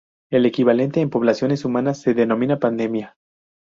El equivalente en poblaciones humanas se denomina pandemia.